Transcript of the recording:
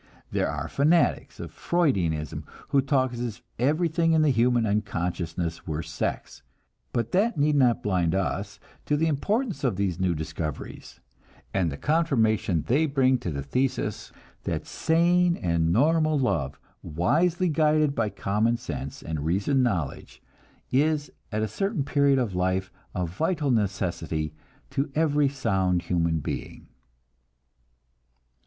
There are fanatics of Freudianism who talk as if everything in the human unconsciousness were sex; but that need not blind us to the importance of these new discoveries, and the confirmation they bring to the thesis that sane and normal love, wisely guided by common sense and reasoned knowledge, is at a certain period of life a vital necessity to every sound human being.